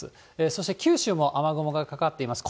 そして九州も雨雲がかかっています。